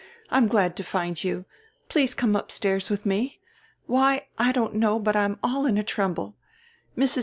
"I'm glad to find you. Please come upstairs with me. Why I don't know but I'm all in a tremble. Mrs.